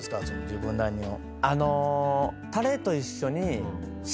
自分なりの。